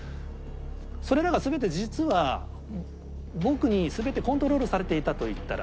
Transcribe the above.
それらが全て実は僕に全てコントロールされていたと言ったら。